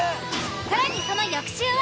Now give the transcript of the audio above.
更にその翌週は。